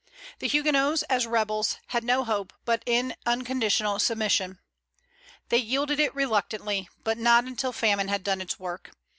The Huguenots, as rebels, had no hope but in unconditional submission. They yielded it reluctantly, but not until famine had done its work.